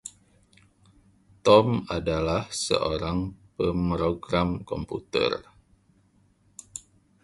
Tom adalah seorang pemrogram komputer.